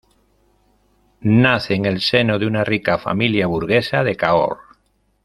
Nace en el seno de una rica familia burguesa de Cahors.